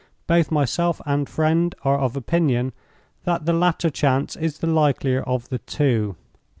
Both myself and friend are of opinion that the latter chance is the likelier of the two.